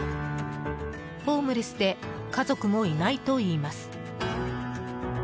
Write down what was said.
ホームレスで家族もいないといいます。